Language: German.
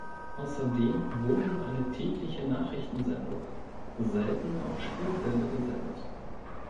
Außerdem wurden eine tägliche Nachrichtensendung, seltener auch Spielfilme gesendet.